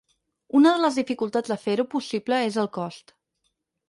Una de les dificultats de fer-ho possible és el cost.